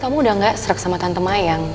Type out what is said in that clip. kamu udah gak serak sama tante mayang